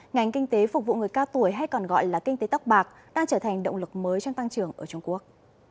ngành kinh tế phục vụ người cao tuổi hay còn gọi là kinh tế tóc bạc đang trở thành động lực mới trong tăng trưởng ở trung quốc